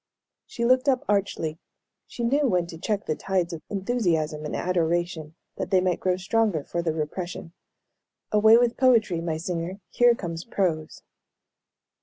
She looked up archly. She knew when to check the tides of enthusiasm and adoration, that they might grow stronger for the repression. "Away with poetry, my singer, here comes prose."